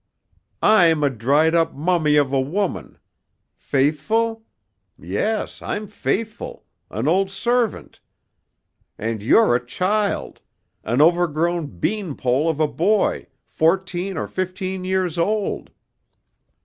"I'm a dried up mummy of a woman faithful? yes, I'm faithful an old servant. And you're a child, an overgrown bean pole of a boy, fourteen or fifteen years old."